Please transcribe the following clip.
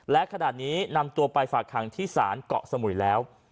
และขณะนี้นำตัวไปฝากขังที่ศาลเกาะสมุยแล้ว